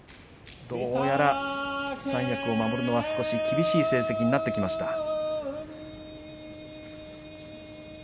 どうやら三役を守るのは少し厳しい成績になってきました。